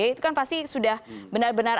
itu kan pasti sudah benar benar